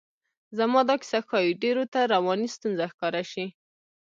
زما دا کیسه ښایي ډېرو ته رواني ستونزه ښکاره شي.